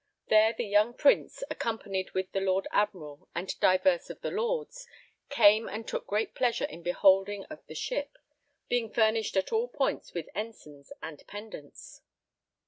There the young Prince, accompanied with the Lord Admiral and divers of the Lords, came and took great pleasure in beholding of the ship, being furnished at all points with ensigns and pendants.